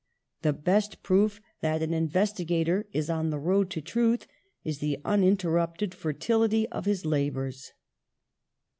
The best proof that an investigator is on the road to truth is the uninterrupted fertility of his labours."